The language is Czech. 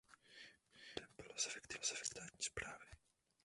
Důvodem bylo zefektivnění státní správy.